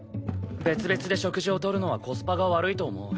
別々で食事を取るのはコスパが悪いと思う。